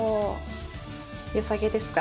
よさげですか？